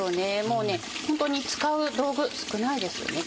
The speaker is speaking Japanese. もうね本当に使う道具少ないですよね。